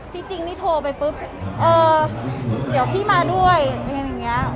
ที่จริงที่โทรไปปุ๊บเอ่อเดี๋ยวพี่มาด้วยอย่างเงี้ย